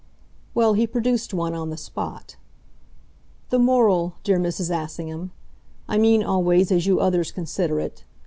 Well, he produced one on the spot. "The moral, dear Mrs. Assingham. I mean, always, as you others consider it.